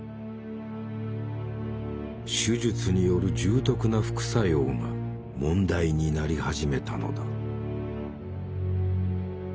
手術による重篤な副作用が問題になり始めたのだ。